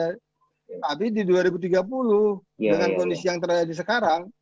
tapi di dua ribu tiga puluh dengan kondisi yang terjadi sekarang